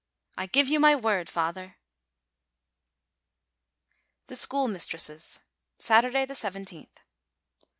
"I give you my word, father !" THE SCHOOLMISTRESSES Saturday, i7th.